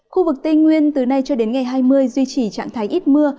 khu vực tây nguyên từ nay cho đến ngày hai mươi duy trì trạng thái ít mưa